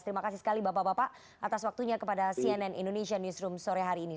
terima kasih sekali bapak bapak atas waktunya kepada cnn indonesia newsroom sore hari ini